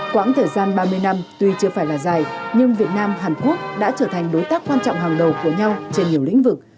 quãng thời gian ba mươi năm tuy chưa phải là dài nhưng việt nam hàn quốc đã trở thành đối tác quan trọng hàng đầu của nhau trên nhiều lĩnh vực